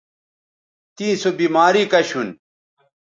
تیں سو بیماری کش ھون